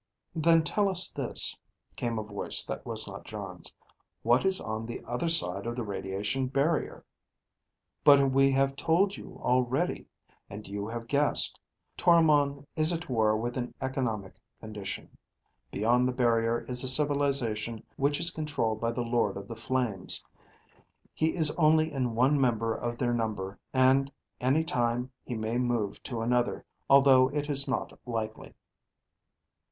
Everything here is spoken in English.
"Then tell us this," came a voice that was not Jon's. "What is on the other side of the radiation barrier?" "But we have told you already. And you have guessed. Toromon is at war with an economic condition. Beyond the barrier is a civilization which is controlled by the Lord of the Flames. He is only in one member of their number, and any time he may move to another, although it is not likely."